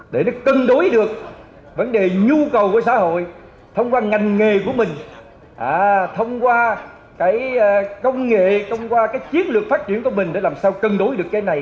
để cân đối được vấn đề nhu cầu của xã hội thông qua ngành nghề của mình thông qua cái công nghệ thông qua cái chiến lược phát triển của mình để làm sao cân đối được cái này